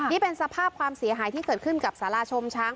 นี่เป็นสภาพความเสียหายที่เกิดขึ้นกับสาราชมช้าง